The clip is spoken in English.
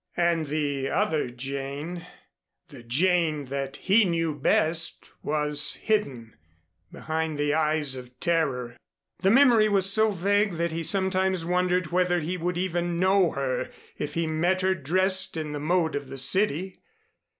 And the other Jane, the Jane that he knew best, was hidden behind the eyes of terror. The memory was so vague that he sometimes wondered whether he would even know her if he met her dressed in the mode of the city.